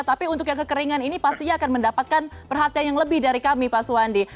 tapi untuk yang kekeringan ini pastinya akan mendapatkan perhatian yang lebih dari kami pak suwandi